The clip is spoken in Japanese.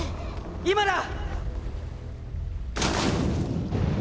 今だ！